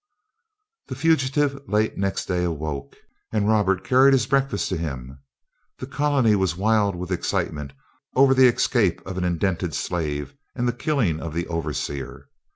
The fugitive late next day awoke, and Robert carried his breakfast to him. The colony was wild with excitement over the escape of an indented slave and the killing of the overseer.